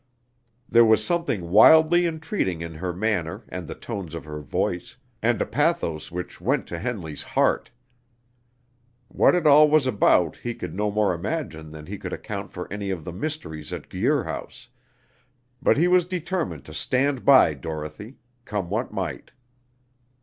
There was something wildly entreating in her manner and the tones of her voice, and a pathos which went to Henley's heart. What it all was about he could no more imagine than he could account for any of the mysteries at Guir House; but he was determined to stand by Dorothy, come what might.